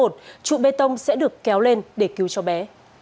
trụ bê tông sẽ được kéo lên để cứu cho bé